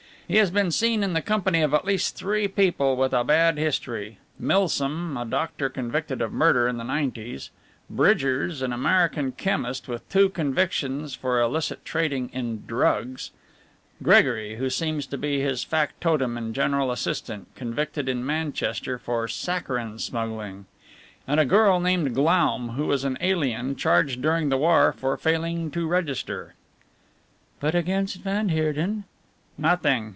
He has been seen in the company of at least three people with a bad history. Milsom, a doctor, convicted of murder in the 'nineties; Bridgers, an American chemist with two convictions for illicit trading in drugs; Gregory who seems to be his factotum and general assistant, convicted in Manchester for saccharine smuggling; and a girl called Glaum, who is an alien, charged during the war for failing to register." "But against van Heerden?" "Nothing.